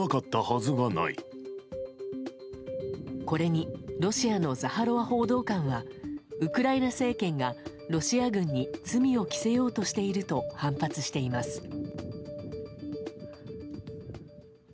これにロシアのザハロワ報道官はウクライナ政権がロシア軍に罪を着せようとしていると反発しています。